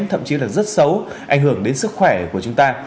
thậm chí là rất xấu ảnh hưởng đến sức khỏe của chúng ta